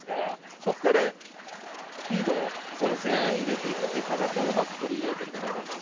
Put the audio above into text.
そこからフィードを前線に入れていくという形をうまく取り入れていると思います。